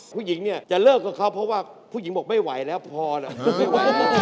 ผู้หญิงเนี่ยจะเลิกกับเขาเพราะว่าผู้หญิงบอกไม่ไหวแล้วพอนะไม่ไหว